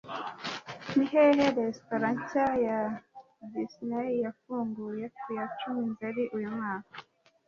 Ni hehe resitora nshya ya Disney yafunguwe ku ya cumi Nzeri uyu mwaka?